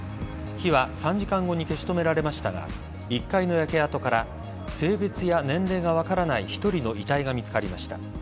火は３時間後に消し止められましたが１階の焼け跡から性別や年齢が分からない１人の遺体が見つかりました。